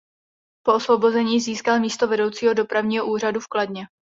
Po osvobození získal místo vedoucího dopravního úřadu v Kladně.